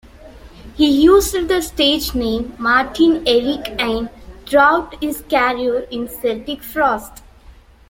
He used the stage name Martin Eric Ain throughout his career in Celtic Frost.